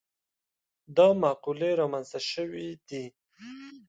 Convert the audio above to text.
دا مقولې رامنځته شوي دي.